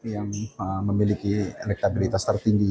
yang memiliki elektabilitas tertinggi